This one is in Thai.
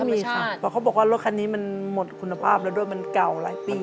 มีค่ะเพราะเขาบอกว่ารถคันนี้มันหมดคุณภาพแล้วด้วยมันเก่าหลายปี